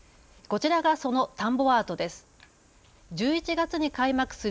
こちらがその田んぼアートです。